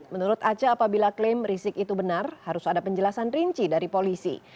menurut aca apabila klaim rizik itu benar harus ada penjelasan rinci dari polisi